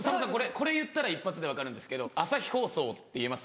これ言ったら一発で分かるんですけど「朝日放送」って言えます？